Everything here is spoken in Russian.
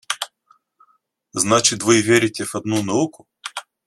Значит, вы верите в одну науку?